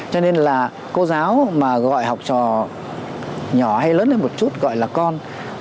cho nên là cô giáo mà gọi học trò nhỏ hay lớn hơn một chút gọi là con